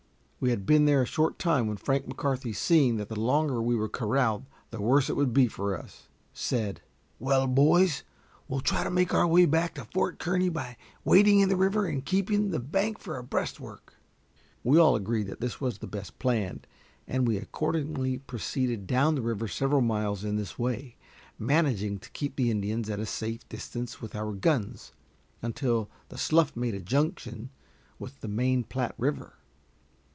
We had been there but a short time when Frank McCarthy, seeing that the longer we were corralled the worse it would be for us, said, "Well, boys, we'll try to make our way back to Fort Kearny by wading in the river and keeping the bank for a breastwork." We all agreed that this was the best plan, and we accordingly proceeded down the river several miles in this way, managing to keep the Indians at a safe distance with our guns, until the slough made a junction with the main Platte River.